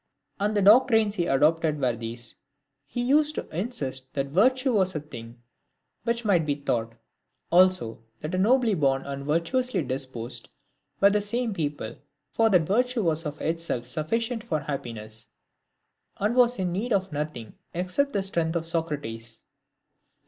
V. And the doctrines he adopted were these. He used to insist that virtue was a thing which might be taught ; also, that the nobly born and virtuously disposed, were the same people ; for that virtue was of itself sufficient for happiness, and was in need of nothing, except the strength of Socrates.